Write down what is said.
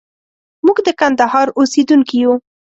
موږ د کندهار اوسېدونکي يو.